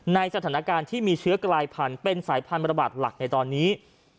ในสถานการณ์ที่มีเชื้อกลายพันธุ์เป็นสายพันธบัตรหลักในตอนนี้